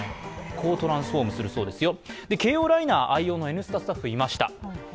こうトランスフォームするそうですよ。